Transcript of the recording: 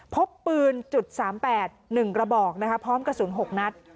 พบปืน๓๘๑กระบอกพร้อมกระสุน๖นัด